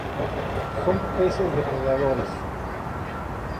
Son peces depredadores.